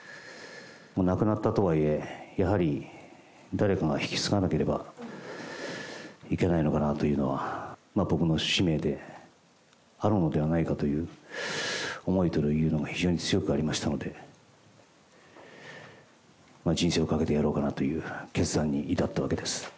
もう亡くなったとはいえ、やはり誰かが引き継がなければいけないのかなというのは、僕の使命であるのではないかという思いというものが非常に強くありましたので、人生をかけてやろうかなという、決断に至ったわけです。